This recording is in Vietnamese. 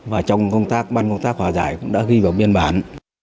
và trong công tác ban công tác hòa giải cũng đã ghi vào biên bản